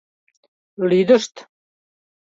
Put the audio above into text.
— Лӱдышт!